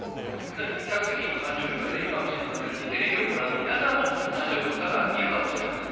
客席にも誕生日の方いるかもしれませんしテレビをご覧の皆さんも誕生日の方いるかもしれません。